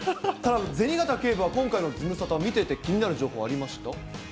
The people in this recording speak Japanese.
たぶん、銭形警部は、今回のズムサタ見てて気になる情報ありました？